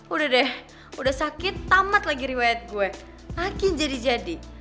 udah deh udah sakit tamat lagi riwayat gue makin jadi jadi